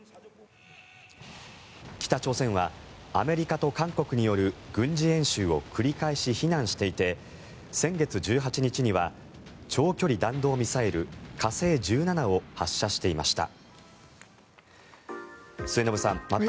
北朝鮮はアメリカと韓国による軍事演習を繰り返し非難していて先月１８日には長距離弾道ミサイル、火星１７を発射していました。